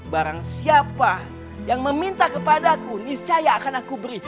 barang siapa yang meminta kepadaku niscaya akan aku beri